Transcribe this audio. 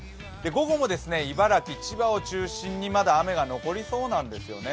午後も茨城、千葉を中心にまだ雨が残りそうなんですよね。